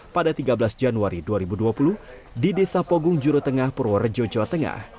pada tiga belas januari dua ribu dua puluh di desa pogung juro tengah purworejo jawa tengah